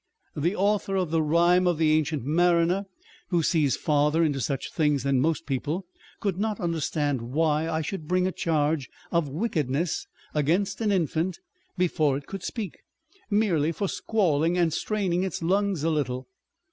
The Author of the Rime of the Ancient Mariner (who sees farther into such things than most people) could not understand why I should bring a charge of wickedness against an infant before it could speak, merely for squalling and straining its lungs a little.